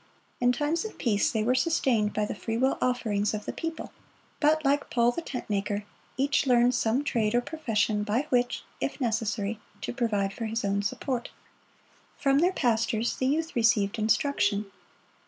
In times of peace they were sustained by the freewill offerings of the people; but, like Paul the tent maker, each learned some trade or profession by which, if necessary, to provide for his own support. From their pastors the youth received instruction.